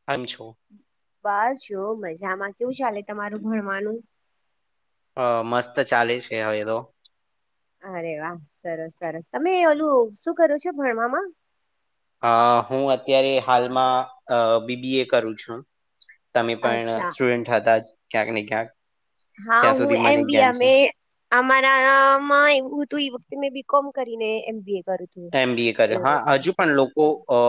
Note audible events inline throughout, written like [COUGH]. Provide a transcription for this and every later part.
[INAUDIBLE] બસ જો મજામાં. કેવું ચાલે તમારું ભણવાનું? હ, મસ્ત ચાલે છે, હવે તો. અરે વાહ, સરસ સરસ. તમે ઓલું શું કરો છો ભણવામાં? અ હું અત્યારે હાલમાં બીબીએ કરું છું. તમે પણ અચ્છા સ્ટુડન્ટ હતા, જ ક્યાંક ને ક્યાંક. હા, જ્યાં હું સુધી મને એમબીઆ જ્ઞાન છે. મે અમારામાં એવું હતું, એ વખતે મેં બી. કોમ કરીને, એમબીએ કર્યું. એમ. બી. એ કયુ. હા, હજુ પણ લોકો અ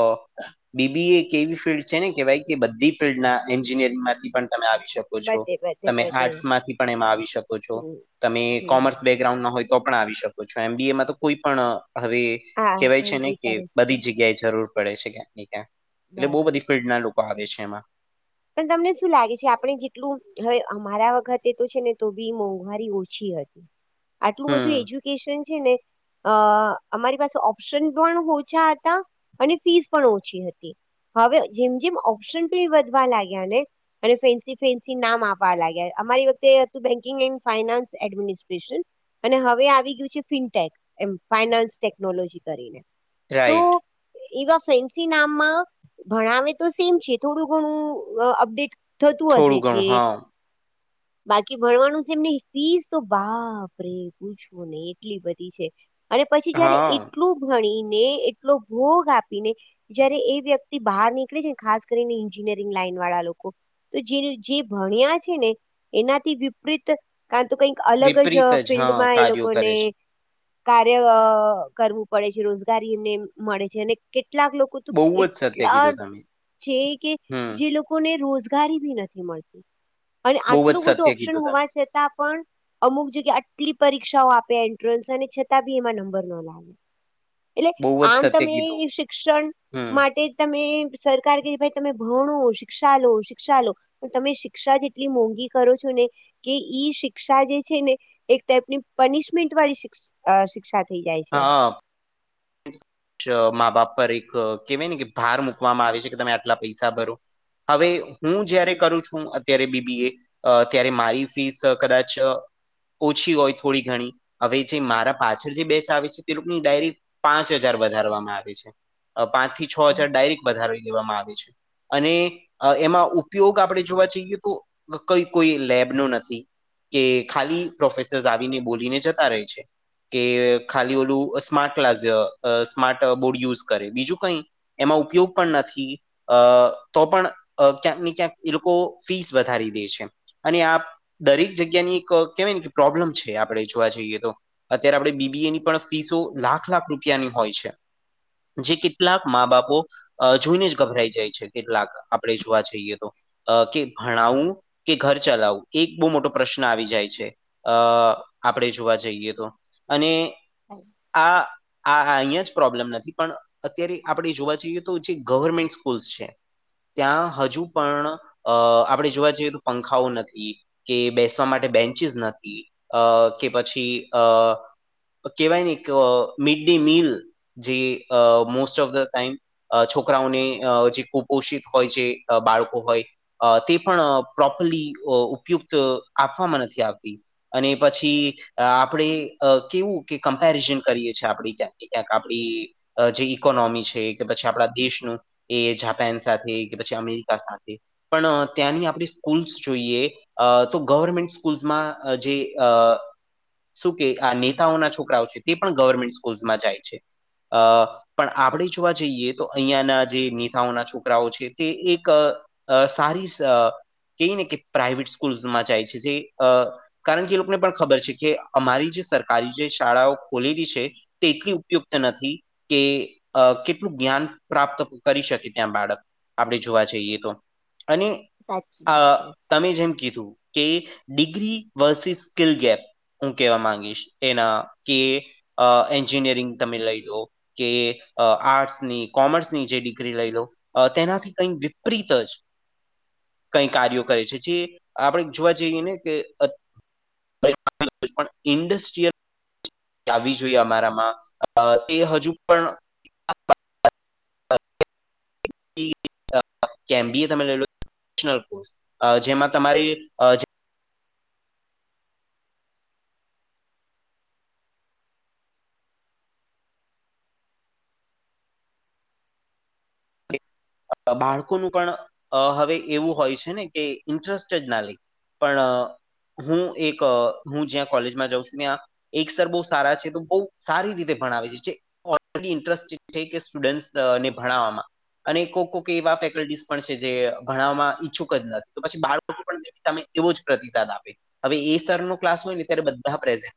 બી. બી. એ એક એવી ફિલ્ડ છે ને, કેવાય કે બધી ફિલ્ડના એન્જિનિયરિંગ માંથી પણ તમે આવી શકો. બધે બધે તમે બધે આર્ટસ માંથી પણ એમાં આવી શકો છો, હમ તમે હમ કોમર્સ બે ગ્રાઉન હોય તો પણ આવી શકો છો, એમ. બી. એ માં તો કોઈ પણ હવે હા કેવાય છે ને એન્ટ્રી કે, કરે છે બધી જ જગ્યા જરૂર. પડે છે, ક્યાંક ક્યા એટલે બહુ બરોબર બધી ફિલ્ડ ના લોકો આવે છે એમાં. પણ તમને શું લાગે છે? આપણે જેટલું હવે અમારા વખતે તો છે ને, તો બી મોંઘવારી ઓછી હતી. આટલું બધું હમ એજ્યુકેશન છે ને. અ અમારી પાસે ઓપ્શન પણ ઓછા હતા, અને ફીસ પણ ઓછી હતી. હવે જેમ જેમ ઓપ્શન બી વધવા લાગ્યા ને. અને ફેન્સી ફેન્સી નામ આપવા લાગ્યા, અમારી વખતે હતું, બેન્કિંગ એન્ડ ફાઈનાન્સ એડમિનિસ્ટ્રેશન. અને હવે આવી ગયું છે, ફિનટેક એમ ફાઈનાન્સ ટેકનોલોજી કરીને. તો રાઈટ એવા ફેન્સી નામમાં ભણાવે તો સેમ છે, થોડું ઘણું અપડેટ થતું હશે, થોડું ઘણું જે હા બાકી ભણવાનું છે, એમને ફીસ તો બાપરે પૂછવું ને એટલી બધી છે. અને પછી જયારે હા એટલું ભણીને, એટલો ભોગ આપીને. જયારે એ વ્યક્તિ બહાર નીકળે છે ને, ખાસ કરીને એન્જિનિયરિંગ લાઈન વાળા લોકો. તો જે જે ભણ્યા છે ને, એનાથી વિપરીત. ક તો કઈક અલગ જ વિપરીત હા ફિલ્ડમાં એ કાર્યો લોકોને. કરે છે કાર્ય કરવું પડે છે, રોજગારી એમને મળે છે, અને કેટલાક લોકો બહુ જ સત્ય એટલા કીધું તમે છે કે, હમ જે લોકો. ને રોજગારી બી નથી મળતી, અને બહુ જ આટલું બધું સત્ય કીધું ઓપ્શન તમે હોવા છતાં પણ. અમુક જગ્યાએ આટલી પરીક્ષાઓ આપે એન્ટ્રન્સ અને છતાં બી એમાં નંબર ન લાગે. એટલે બહુ જ આમ સત્ય તમે કીધું શિક્ષણ હમ માટે. તમે સરકાર કે, ભાઈ, તમે ભણણો શિક્ષા લો, શિક્ષા લો. પણ તમે શિક્ષા જેટલી મોંઘી કરો છો ને. કે ઈ શિક્ષા જે છે ને, એક ટાઈપની પનિશમેન્ટ વાળી શિક્ષા થઇ જાય છે. મા-બાપ પર એક કેહેવાય ને કે, ભાર મૂકવામાં આવે છે કે, તમે આટલા પૈસા ભરો. હવે, હું જયારે હમ કરું છું. શું અત્યારે? બીબીએ ત્યારે મારી ફીસ કદાચ. ઓછી હોય થોડી ઘણી હવે જે મારા પાછળ જે બેચ આવે છે તે લોક ની ડાયરેક્ટ પાંચ હજાર વધારવામાં આવે છે પાંચ થી છ હજાર ડાયરેક્ટ વધારવી દેવામાં આવે છે. અને એમાં ઉપયોગ આપણે જોવા જઈએ તો કઈ કોઈ લેબ નો નથી. કે ખાલી પ્રોફેસર્સ આવીને બોલીને જતા રહે છે. કે ખાલી ઓલું smart class smart board use કરે બીજું કઈ એમાં ઉપયોગ પણ નથી. અ તો પણ ક્યાંક ને ક્યાંક એ લોકો ફીસ વધારી દે છે અને આ દરેક જગ્યાની એક કેહેવાય ને કે પ્રોબ્લેમ છે આપણે જોવા જઈએ તો. અત્યારે આપણેે બીબી એ ની પણ ફીસો લાખ લાખ રૂપિયાની હોય છે. જે કેટલાક મા બાપો આ જોઈને જ ગભરાઈ જાય છે કેટલાક આપણે જોવા જઈએ તો. અ કે ભણાવું કે ઘર ચલાવું? એક બહુ મોટો પ્રશ્ન આવી જાય છે અ આપણે જોવા જઈએ તો અને આ આ અહીં જ પ્રોબ્લેમ નથી પણ અત્યારે આપણે જોવા જઈએ તો જે ગવર્મેન્ટ સ્કૂલ્સ છે. ત્યાં હજુ પણ અ આપણે જોવા જઈએ તો પંખાઓ નથી. કે બેસવા માટે બેન્ચિસ નથી અ કે પછી અ કહેવાય ને આ મિડ ડે મીલ જે આ મોસ્ટ ઓફ ધ ટાઈમ આ છોકરાઓને આ જે કુપોષિત હોય છે આ બાળકો હોય. અ તે પણ પ્રોપરલી ઉપયુક્ત આપવામાં નથી આવતી. અને પછી આપણેે કેવું કે કમ્પેરિઝન કરીએ છેએ આપણે. [UNINTELLIGIBLE] ક્યાંક આપડી જે ઈકોનોમી છે કે પછી આપણા દેશનું એ જાપાન સાથે કે પછી અમેરિકા સાથે પણ ત્યાંની આપણે સ્કૂલ્સ જોઈએ અ તો ગવર્મેન્ટ સ્કૂલ્સમાં જે અ શું કે આ નેતાઓના છોકરાઓ છે તે પણ ગવર્મેન્ટ સ્કૂલ્માં જાય છે આ પણ આપણે જોવા જઈએ તો અહિયા ના જે નેતાઓના છોકરાઓ છે તે એક અ સારી સા કઈ ને કે પ્રાાઈવેટ સ્કૂલમાં જાય છે જે આ કારણ કે એ લોકોને પણ ખબર છે કે અમારી જે સરકારી જે શાળાઓ ખોલેલી છે. તે એટલી ઉપયુક્ત નથી કે આ કેટલું જ્ઞાન પ્રાપ્ત કરી શકે ત્યાં બાળક. આપણે જોવા જઈએ તો અને સાચી વાત અ છે. તમે જેમ કીધું કે ડિગ્રી વર્સિસ સ્કિલ ગેપ હું કેવા માંગીશ એના કે એન્જિનિયરિંગ તમે લઈ લો કે આ આર્ટસ ની કોમર્સ ની જે ડિગ્રી લઈ લો આ તેનાથી કંઈક વિપરીત જ કઈ કાર્યો કરે છે જે આપણે જોવા જઈએ ને કે અત [UNINTELLIGIBLE] ઇન્ડસ્ટ્રીયલ આવી જોઈએ અમારામાં એ હજુ પણ [UNINTELLIGIBLE] જેમાં તમારી આ બાળકોનું પણ હવે એવું હોય છે ને કે ઇન્ટરેસ્ટ જ ના લે. પણ હું એક હું જ્યાં કોલેજમાં જાઉં છું ત્યાં એક સર બહુ સારા છે તો બહું સારી રીતે ભણાવે છે. ઓલરેડી ઇન્ટરેસ્ટેડ છે કે સ્ટુડન્ટને ભણાવવામાં અને કોક કોક એ ફેકલ્ટી પણ છે જે ભણવામાં ઈચ્છુક જ નથી તો પછી [UNINTELLIGIBLE] તમે એવો જ પ્રતિસાદ આપે હવે એ સર નો ક્લાસ હોય ને ત્યારે બધા પ્રેઝન્ટ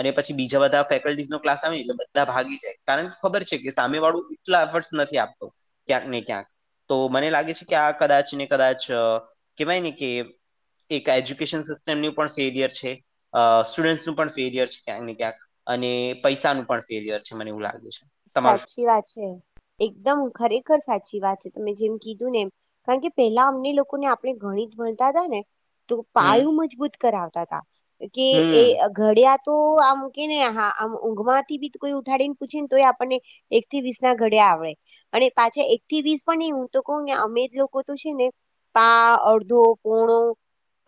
અને પછી બીજા બધા ફેકલ્ટીઝ નો ક્લાસ આવે એટલે બધા ભાગી જાય કારણ કે ખબર છે કે સામે વાળું એટલા [UNINTELLIGIBLE] નથી આપતો ક્યાંક ને ક્યાંક. તો મને લાગે છે કે આ કદાચ ને કદાચ કહેવાય ને કે એ કઈ એજ્યુકેશન સિસ્ટમનું પણ ફેલિયર છે. અ સ્ટુડન્ટસ નું પણ ફેલિયર છે ક્યાંક ને ક્યાંક અને પૈસાનું પણ ફેલિયર છે મને એવું લાગે છે. તમારું શું સાચી વાત છે એકદમ ખરેખર સાચી વાત છે તમે જેમ કીધું ને એમ કારણ કે પેલા અમને લોકોને આપણે ગણીત ભણતા ને તો હમ પાયું મજબૂત કરાવતા હતાા કે એ હમ ઘડિયા તો આમ કે ને હા આમ ઊઘ માંથી બી કોઈ ઉઠાડી ને પૂછી તો એ આપણને એક થી વીસ ના ઘડિયા આવડે અને પાછા એક થી વીસ પણ નઈ હું તો કહ કે અમેર લોકો તો છે ને પા અડધો પોણો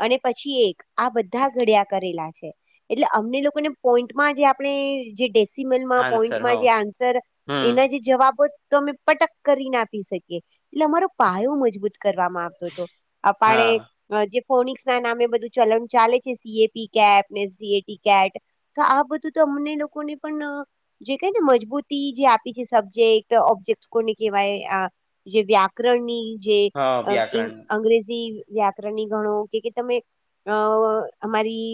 અને પછી એક આ બધા ઘડિયા કરેલા છે એટલે અમને લોકોને પોઈન્ટમાં જે આપણે જે ડે મેલમાં આન્સર પોઈન્ટમાં હા જે આન્સર હમ એના જે જવાબો તો અમે પટક કરી ને આપી શકીએ એટલે અમારો પાયો મજબૂત કરવામાં આવે [UNINTELLIGIBLE] આપડે હા જે ફોનિક્સ ના નામે બધું ચલણ ચાલે છે સીએપી કેપ ને સીએટી કેટ તો આ બધું તો અમને લોકો ને પણ જે કઈ ને મજબૂતી જે આપી છે સબ્જેક્ટ ઓબ્જેક્ટને કવાય આ જે વ્યા વ્યાકરણની જે હા વ્યાકરણ અંગ્રેજી વ્યાકરણની ગણો કે તમે અ અમારી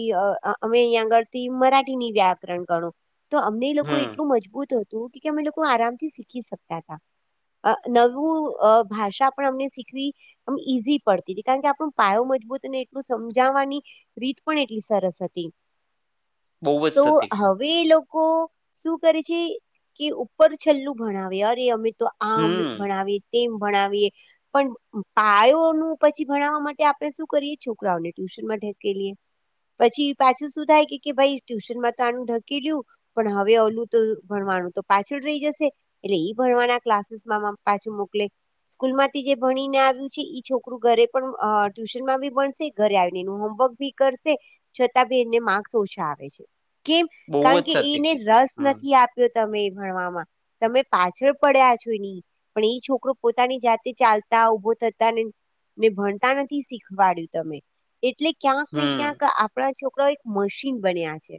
અમે અહીં આગળથી મરાઠીની વ્યાકરણ ગણો તો અમને એ લોકો હમ એટલું મજબૂત હતું કે અમે લોકો આરામથી શીખી શકતા હતા અ નવું ભાષા પણ અમને શીખવી મ ઈઝી પડતી હતી કારણ કે આપણું પાયો મજબૂત અને એટલું સમજાવવાની રીત પણ એટલી સરસ હતી બહુ જ તો સત્ય કીધું હવે એ લોકો લોકો શું કરે છે કે ઉપર છેલ્લું ભણાવે અરે અમે તો આમ હમ ભણાવીએ તેમ ભણાવીએ પણ પાયો નુ પછી ભણાવવા માટે આપડે શું કરીએ છોકરાઓને ટ્યુશનમાં ઢકેલીએ પછી પાછું શું થાય કે ભાઈ ટ્યુશનમાં તો આનું ઢકેલું પણ હવે ભણવાનું તો પાછળ રહી જશે એટલે ઈ ભણવાના ક્લાસીસમાં પાછું મોકલે સ્કૂલ માંથી જે ભણીને આવ્યું છે ઈ છોકરું ઘરે પણ અ ટ્યુશન માં ભી ભણશે ઘરે આવીને એનું હોમવર્ક ભી કરશે છતાં બી એને માર્કસ ઓછા આવે છે કેમ બહુ જ કારણ કે સત્ય એને કીધું રસ હમ નથી આપ્યો તમે એ ભણવામાં તમે પાછળ પડ્યા છો એ ની પણ એ છોકરો પોતાની જાતે ચાલતા ઉભો થતા ને ને ભણતા નથી શીખવાડ્યું તમે એટલે ક્યાંક ને હમ ક્યાંક આપણા છોકરા એક મશીન બન્યા છે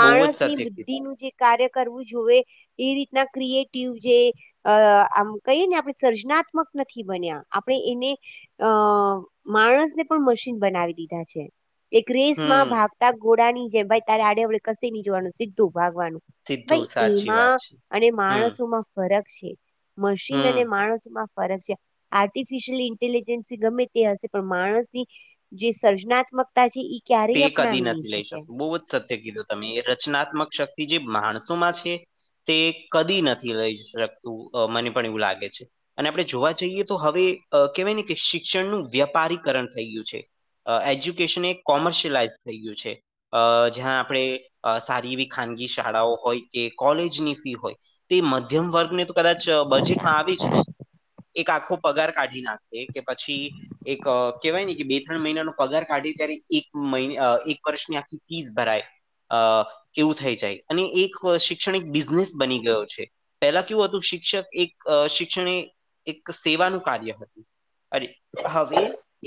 બહુ જ સત્ય કીધું બુદ્ધિનું જે કાર્ય કરવું જોઈએ એ રીતના ક્રિએટિવ જે અ આમ કહીએ ને આપણે સર્જનાત્મક નથી બન્યા આપણે એને અ માણસને પણ મશીન બનાવી દીધા છે એક રેસ માં હમ ભાગતા ઘોડાની જેમ ભાઈ તારે આડે અડે કસી ની જવાનું સીધું ભાગવાનું સીધું ભાઈ સાચી એમાં વાત છે અને હમ માણસોમાં ફરક છે મશીન હમ અને માણસોમાં ફરક છે આર્ટિફિશિયલ ઇન્ટેલિજન્સ ગમે તે હશે પણ માણસની જે સર્જનાત્મક ટા છે ઈ તે ક્યારેય કદી અપનાવી નહી નથી લઈ જોય શકતું બહુ જ સત્ય કીધું તમે એ રચનાત્મક શક્તિ જે માણસોમાં છે તે કદી નથી રઈ શકતું અ મને પણ એવું લાગે છે અને આપણે જોવા જઈએ તો હવે કહેવાય ને કે શિક્ષણનું વ્યાપારીકરણ થઈ ગયું છે એજ્યુકેશન એ કોમર્શિયલાઈઝ થઈ ગયું છે અ જ્યાં આપણે સારી એવી ખાનગી શાળાઓ હોય કે કોલેજની ફી હોય તે મધ્યમ વર્ગને તો કદાચ બજેટમાં આવી જ નહીં એક આખો પગાર કાઢી નાખે કે પછી એક કેહેવાય ને કે બે ત્રણ મહિનાનો પગાર કાઢી ત્યારે એક મહીં એક વર્ષની આખી ફીસ ભરાય અ એવું થઈ જાય અને એક શિક્ષણિક બિઝનેસ બની ગયો છે પહેલા કેવું હતું શિક્ષક એક શિક્ષણે એક સેવાનું કાર્ય હતું અરે હવે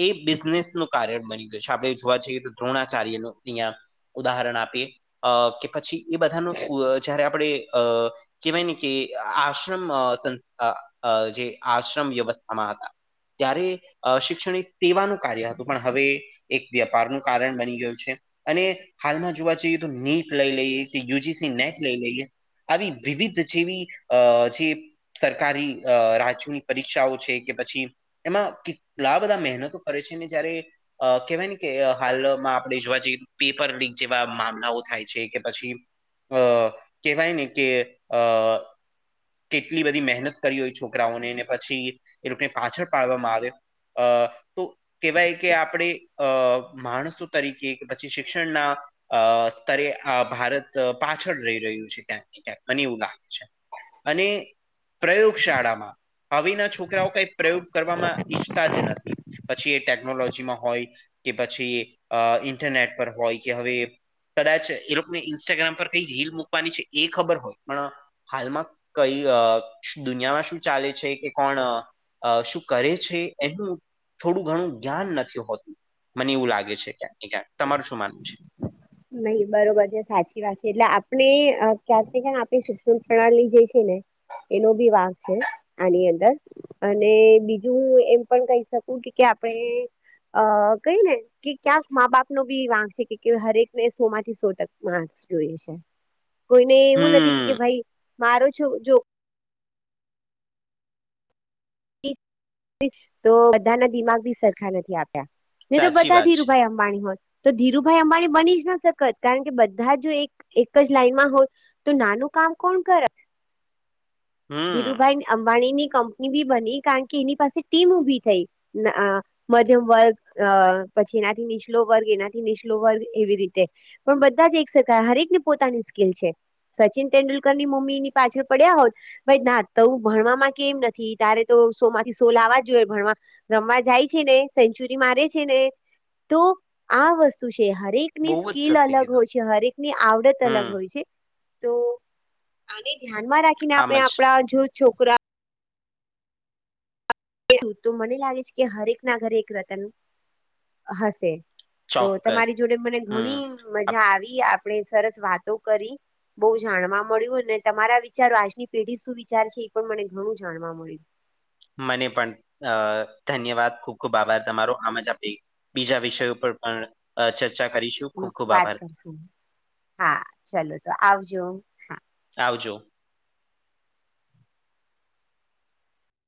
એ બિઝનેસ નું કારણ બની ગય છે આપણે જોવા જઈએ તો દ્રોણાચાર્ય નુ અહીંયા ઉદાહરણ આપીએ અ કે પછી એ બધાનું જારે આપણે અ કેવાય ને કે આશ્રમ સંસ્થા અ જે આશ્રમ વ્યવસ્થામાં હતા ત્યારે શિક્ષણ સેવાનું કાર્ય હતું પણ હવે વ્યાપાર નું કારણ બની ગયું છે. અને હાલમાં જોવા જઈએ તો નીટ લઈ લઈએ કે યુજીસી નેટ લઈ લઈએ. આવી વિવિધ જેવી અ જે સરકારી રાજ્યની પરીક્ષાઓ છે કે પછી એમાં કેટલા બધા મહેનતો કરે છે ને જયારે કહેવાય ને કે હાલમાં આપણે જોવા જઈએ પેપર લીક જેવા મામલાઓ થાય છે કે પછી અ કહેવાય ને કે અ કેટલી બધી મહેનત કરી હોય છોકરાઓને પછી એ લોકોને પાછળ પાડવામાં આવે અ તો કેવાય કે આપણે અ માણસો તરીકે કે પછી શિક્ષણના અ સ્તરે આ ભારત પાછળ રહી રહ્યું છે ક્યાંક ને ક્યાંક મને એવું લાગે છે. અને પ્રયોગશાળામાં હવી ના છોકરાઓ કઈ પ્રયોગ કરવામાં ઈચ્છતા જ નથી પછી એ ટેકનોલોજીમાં હોય કે પછી અ ઇન્ટરનેટ પર હોય કે હવે કદાચ એ લોકોને ઇન્સ્ટાગ્રામ પર કઈ રીલ મૂકવાની છે એ ખબર હોય પણ હાલમાં કઈ અ દુનિયામાં શું ચાલે છે કે કોણ અ શું કરે છે એનું થોડું ઘણું જ્ઞાન નથી હોતું મને એવું લાગે છે ક્યાંક ને ક્યાંક તમાર શું માનવું છે. નહી બરોબર છે સાચી વાત છે એટલે આપણે ક્યાંક ને ક્યાંક આપણી શિક્ષણ પ્રણાલી જે છે ને એનો ભી વાક છે આની અંદર અને બીજું હું એમ પણ કહી શકું કે આપણે અ કઈ ને કે ક્યાંક મા બાપ નુ બી વાક છે કે હરેક ને સો માંથી સો ટક માર્સ જોઈય છે કોઈને એવું નથી કે હમ ભાઈ મારો છો જો [UNINTELLIGIBLE] તો બધાના દિમાગ બી સરખા નથી આપ્યા નહી તો સાચી બધા વાત ધીરુ છે ભાઈ પાણી માં હોય તો ધીરુભાઈ અંબાણી બની જ ના સકત કારણ કે બધા જો એક એક જ લાઈનમાં હોય તો નાનું કામ કોણ કરે. હમ ધીરુભાઈ અંબાણીની કંપની ભી બની કારણ કે એની પાસે ટીમ ઉભી થઈ અ મધ્યમ વર્ગ પછી અ એનાથી નીચલો વર્ગ એનાથી નીચલો વર્ગ એવી રીતે પણ બધા જ એક શકાય હરેકને પોતાની સ્કીલ છે સચિન તેંડુલકરની મમ્મીની પાછળ પડ્યા હોત ભાઈ નાતું ભણવામાં કેમ નથી તારે તો સોમાંથી સો લાવવા જોઈએ ભણવામાં રમવા જાય છે ને સેન્ચુરી મારે છે ને તો આ વસ્તુ છે હરેક બહુ ની જ સત્ય સ્કીલ અલગ કીધું હોય છે હરેક ની આવડત અલગ હમ હોય છે. તો આને ધ્યાનમાં રાખીને આમ આપણે જ આપડા જો છોકરા કેમ તો મને લાગે છે કે હરેક ના ઘરે એક રતન હશે. તો ચોક્કસ. તમારી જોડે મને હમ. ઘણી આપ મજા આવી આપણેે સરસ વાતો કરી બહુ જાણવા મળ્યું અને તમારા વિચારો આજની પેઢી શું વિચાર છે એ પણ મને ઘણું જાણવા મળ્યું. મને પણ અ ધન્યવાદ ખુબ ખુબ આભાર તમારો આમ જ આપે બીજા વિષયો પર પણ ચર્ચા કરીશું હા ખૂબ ખૂબ વાત આભાર. કરશું હા ચાલો તો આવજો. આવજો